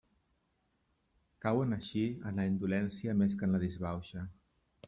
Cauen així en la indolència més que en la disbauxa.